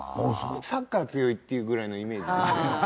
サッカー強いっていうぐらいのイメージですね。